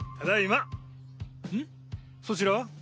そちらは？